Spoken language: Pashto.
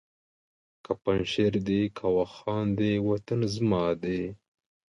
که پنجشېر دی که واخان دی وطن زما دی